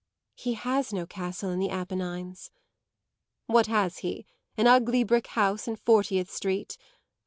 "He has no castle in the Apennines." "What has he? An ugly brick house in Fortieth Street?